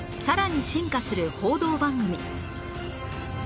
さらに進化する報道番組